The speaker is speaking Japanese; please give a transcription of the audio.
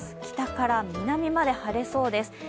北から南まで晴れそうです。